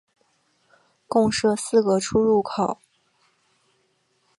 共设四个出入口。